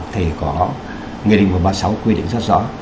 thì có nghị định một trăm ba mươi sáu quy định rất rõ